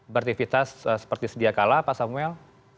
bertivitas seperti sedia kalah pak samuel